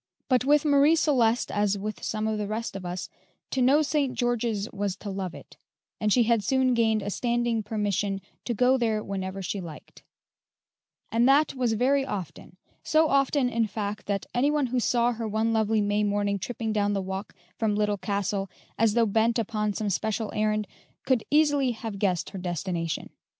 But with Marie Celeste, as with some of the rest of us, to know St. George's was to love it, and she had soon gained a standing permission to go there whenever she liked; and that was very often so often, in fact, that any one who saw her one lovely May morning tripping down the walk from the Little Castle, as though bent upon some special errand, could easily have guessed her destination.